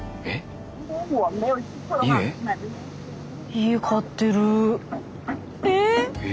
家買ってる。え！？